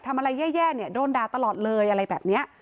ทำอะไรแย่โดนดาตลอดเลยอะไรแบบเนี้ย